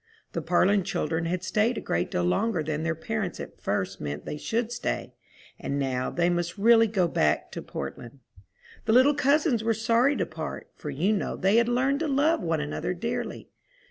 The Parlin children had stayed a great deal longer than their parents at first meant they should stay, and now they must really go back to Portland. The little cousins were sorry to part, for you know they had learned to love one another dearly.